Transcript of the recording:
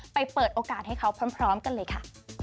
เปิดโอกาสให้เขาพร้อมกันเลยค่ะ